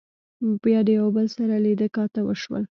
بيا د يو بل سره لیدۀ کاتۀ وشول